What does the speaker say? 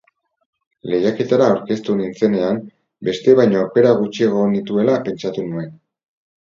Lehiaketara aurkeztu nintzenean, besteek baino aukera gutxiago nituela pentsatu nuen.